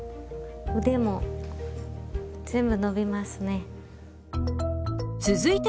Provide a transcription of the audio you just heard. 腕も全部伸びますね。